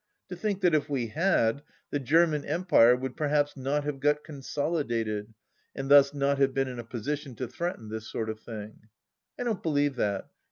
To think that if we had, the German Empire would perhaps not have got con solidated, and thus not have been in a position to threaten this sort of thing ! I don't believe that.